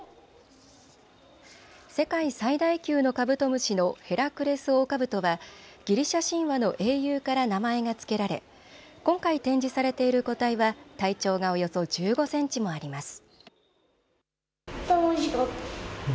世界最大級のカブトムシのヘラクレスオオカブトはギリシャ神話の英雄から名前が付けられ今回展示されている個体は体長がおよそ１５センチもあります。